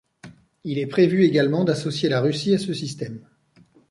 Il est prévu également d’associer la Russie à ce système.